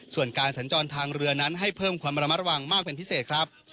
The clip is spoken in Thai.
ส่วนการสัญจรทางเรือนั้นให้เพิ่มความระมัดระวังมากเป็นพิเศษครับ